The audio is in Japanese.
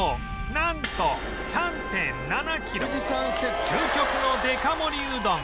なんと究極のデカ盛りうどん